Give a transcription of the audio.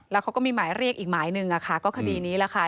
แล้วเขาก็มีหมายเรียกอีกหมายหนึ่งอะค่ะก็คดีนี้แหละค่ะ